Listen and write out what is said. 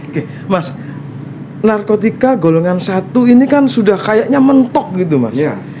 oke mas narkotika golongan satu ini kan sudah kayaknya mentok gitu mas